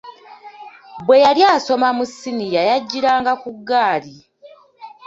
Bwe yali asoma mu siniya yajjiranga ku ggaali.